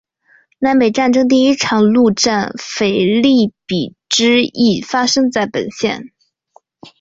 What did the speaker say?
南北战争第一场陆战腓立比之役发生在本县。